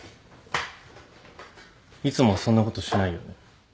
いつもそんなことしないよね。